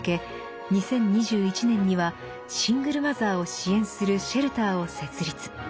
２０２１年にはシングルマザーを支援するシェルターを設立。